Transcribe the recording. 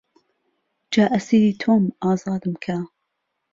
جا ئەسیری تۆم ئازادم کە